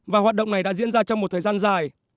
và hoạt động này đã diễn ra trong một thời gian dài